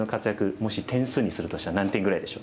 もし点数にするとしたら何点ぐらいでしょうか？